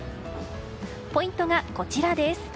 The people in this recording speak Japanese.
ポイントがこちら。